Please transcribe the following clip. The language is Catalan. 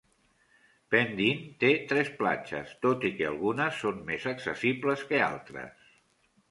Pendeen té tres platges, tot i que algunes són més accessibles que altres.